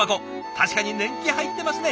確かに年季入ってますね。